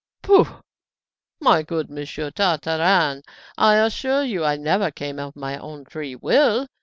"Pooh! my good Monsieur Tartarin, I assure you I never came of my own free will.